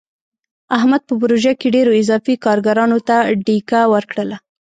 احمد په پروژه کې ډېرو اضافي کارګرانو ته ډیکه ورکړله.